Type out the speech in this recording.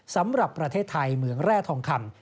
สำหรับประเทศไทยเหมืองแร่ทองคำ